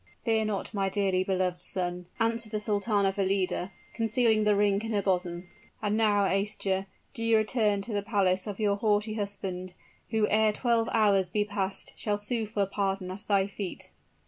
"Fear not, my dearly beloved son," answered the Sultana Valida, concealing the ring in her bosom. "And now, Aischa, do you return to the palace of your haughty husband, who ere twelve hours be passed, shall sue for pardon at thy feet."